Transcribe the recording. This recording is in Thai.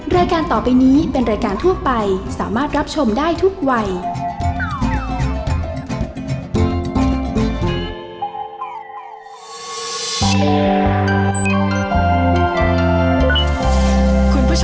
รายการต่อไปนี้เป็นรายการทั่วไปสามารถรับชมได้ทุกวัย